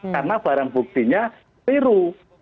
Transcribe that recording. karena barang buktinya biru